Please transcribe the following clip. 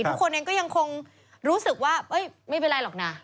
ทุกคนเองก็ยังคงรู้สึกว่าไม่เป็นไรหรอกนะ